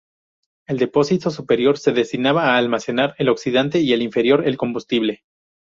El depósito superior se destinaba a almacenar el oxidante, y el inferior el combustible.